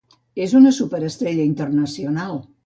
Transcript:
És una superestrella internacional.